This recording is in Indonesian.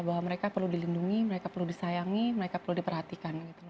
bahwa mereka perlu dilindungi mereka perlu disayangi mereka perlu diperhatikan gitu loh